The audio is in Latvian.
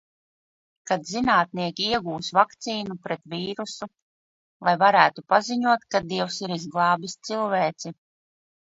Kad zinātnieki iegūs vakcīnu pret vīrusu. Lai varētu paziņot, ka Dievs ir izglābis cilvēci.